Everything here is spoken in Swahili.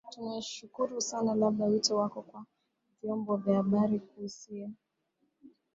tunashukuru sana labda wito wako kwa vyombo vya habari kuhusiana na